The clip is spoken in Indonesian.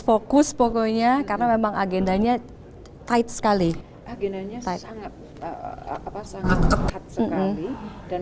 fokus pokoknya karena memang agendanya tight sekali agenanya sangat sangat ketat sekali dan